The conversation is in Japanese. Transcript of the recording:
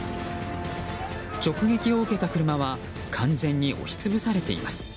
直撃を受けた車は完全に押し潰されています。